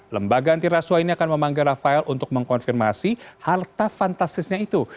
lembaga antiraswa ini akan memanggil rafael untuk mengkonfirmasi harta fantastisnya itu